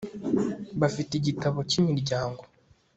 Bafite igitabo cyimiryango